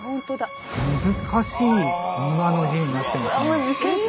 難しい「邇摩」の字になってますね。